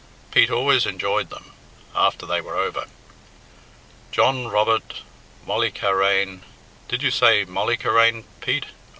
Pete always enjoyed them after they were over. "John Robert Molleycarane did you say Molleycarane, Pete?